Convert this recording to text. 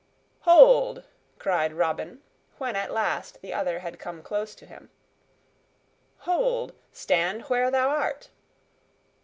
"Hold!" cried Robin, when at last the other had come close to him. "Hold! Stand where thou art!"